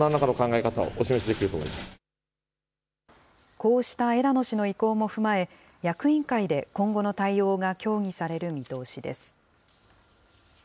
こうした枝野氏の意向も踏まえ、役員会で今後の対応が協議される見通しです。